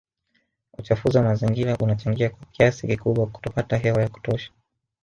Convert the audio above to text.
Uchafuzi wa mazingira unachangia kwa kiasi kikubwa kutopata hewa ya kutosha